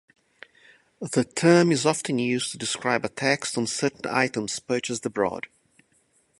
The term is often used to describe a tax on certain items purchased abroad.